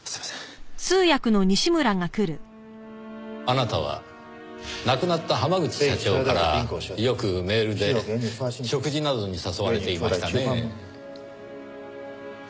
あなたは亡くなった濱口社長からよくメールで食事などに誘われていましたね？